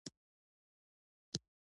زړه د بدن لپاره حیاتي ارزښت لري.